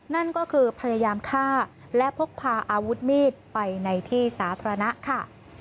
นั่นก็คือพยายามฆ่าและพกพาอาวุธมีดไปในที่สาธารณะค่ะ